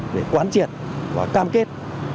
để quan triệt và cam kết